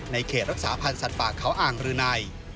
เขตรักษาพันธ์สัตว์ป่าเขาอ่างรืนัย